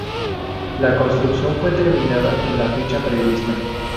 La construcción fue terminada en la fecha prevista.